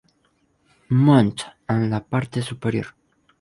Montt" en la parte superior.